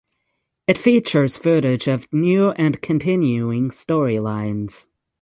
It features footage of new and continuing storylines.